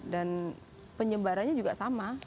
dan penyebarannya juga sama